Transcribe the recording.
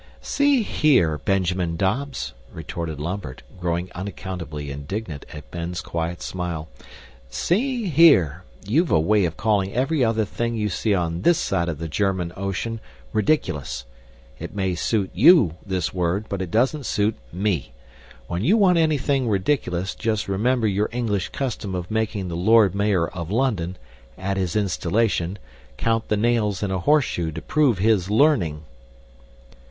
"See here, Benjamin Dobbs," retorted Lambert, growing unaccountably indignant at Ben's quiet smile. "See here, you've a way of calling every other thing you see on THIS side of the German ocean 'ridiculous.' It may suit YOU, this word, but it doesn't suit ME. When you want anything ridiculous, just remember your English custom of making the Lord Mayor of London, at his installation, count the nails in a horseshoe to prove HIS LEARNING."